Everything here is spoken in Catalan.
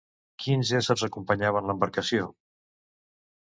Quins éssers acompanyaven l'embarcació?